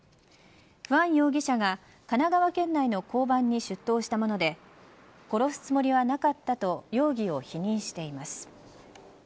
ファン容疑者が神奈川県内の交番に出頭したもので殺すつもりはなかったと容疑を否認しています。